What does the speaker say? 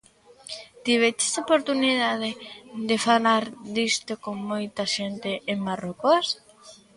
Tiveches oportunidade de falar disto con moita xente en Marrocos?